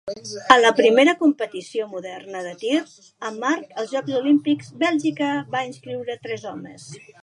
A la primera competició moderna de tir amb arc als Jocs Olímpics, Bèlgica va inscriure a tres homes.